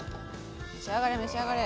召し上がれ召し上がれ！